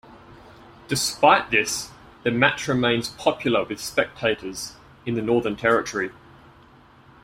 Despite this, the match remains popular with spectators in the Northern Territory.